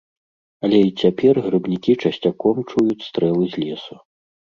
Але і цяпер грыбнікі часцяком чуюць стрэлы з лесу.